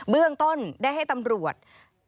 เบื้องต้นได้ให้ตำรวจ